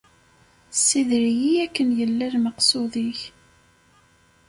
Ssider-iyi akken yella lmeqsud-ik!